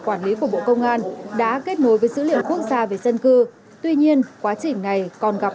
quản lý của bộ công an đã kết nối với dữ liệu quốc gia về dân cư tuy nhiên quá trình này còn gặp